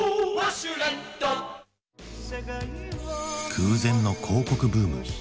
空前の広告ブーム。